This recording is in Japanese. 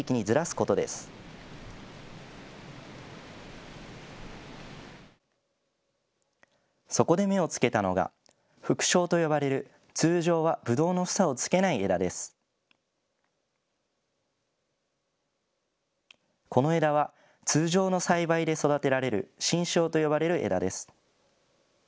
この枝は通常の栽培で育てられる新梢と呼ばれる枝です。